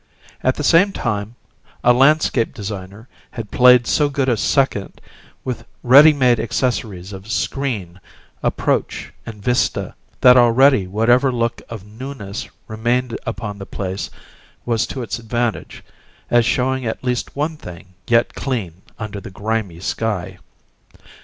At the same time a landscape designer had played so good a second, with ready made accessories of screen, approach and vista, that already whatever look of newness remained upon the place was to its advantage, as showing at least one thing yet clean under the grimy sky.